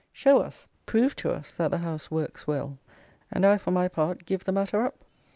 Show us, prove to us, that the House "works well," and I, for my part, give the matter up.